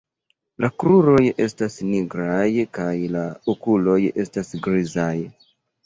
La kruroj estas nigraj kaj la okuloj estas grizaj.